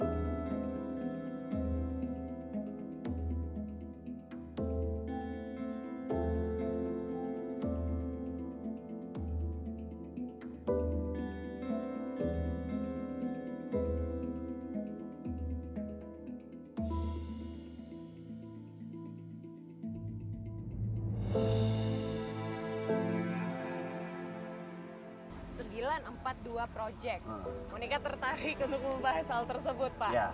monika tertarik untuk membahas hal tersebut pak